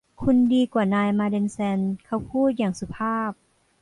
คุณดีกว่านายมาเด็ลแซลเขาพูดอย่างสุภาพ